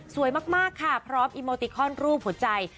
มากค่ะพร้อมอีโมติคอนรูปหัวใจ